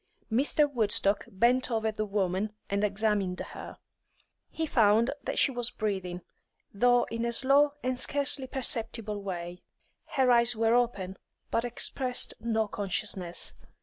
Mr. Woodstock bent over the woman and examined her. He found that she was breathing, though in a slow and scarcely perceptible way; her eyes were open, but expressed no consciousness.